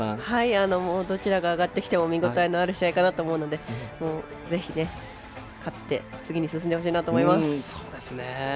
どちらが上がってきても見応えのある試合かなと思うのでぜひ、勝って次に進んでほしいなと思います。